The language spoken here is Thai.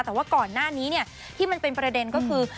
แต่ว่าก่อนหน้านี้ที่มันเป็นประเด็นก็คือ